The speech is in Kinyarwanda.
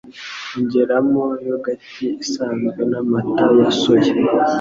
Ongeramo yogurt isanzwe n'amata ya soya